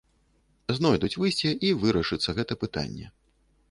Знойдуць выйсце, і вырашыцца гэта пытанне.